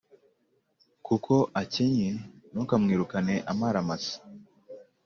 kuko akennye, ntukamwirukane amara masa.